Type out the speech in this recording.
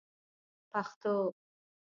پښتو